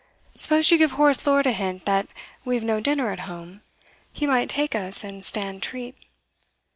'Suppose you give Horace Lord a hint that we've no dinner at home? He might take us, and stand treat.